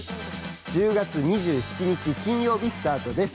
１０月２７日金曜日スタートです。